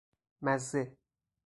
مزه